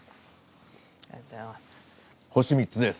ありがとうございます。